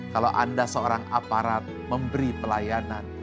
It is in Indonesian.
kalau anda seorang aparat memberi pelayanan